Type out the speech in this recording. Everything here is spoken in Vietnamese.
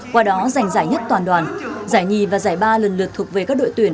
qua đó giành giải nhất toàn đoàn giải nhì và giải ba lần lượt thuộc về các đội tuyển